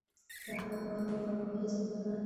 پر احمد باور مه کوه؛ په هيڅ نه دی بند.